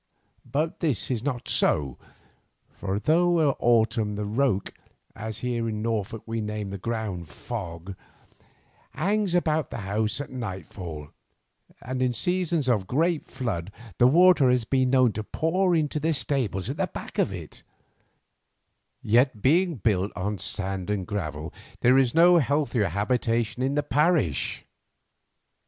But this is not so, for though in autumn the roke, as here in Norfolk we name ground fog, hangs about the house at nightfall, and in seasons of great flood the water has been known to pour into the stables at the back of it, yet being built on sand and gravel there is no healthier habitation in the parish.